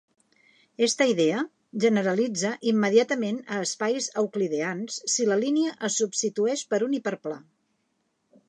Esta idea generalitza immediatament a espais euclideans si la línia es substitueix per un hiperplà.